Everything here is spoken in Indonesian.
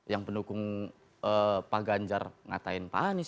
yang pendukung pak ganjar ngatain pak anies